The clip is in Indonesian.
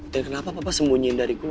dan kenapa papa sembunyiin dari gua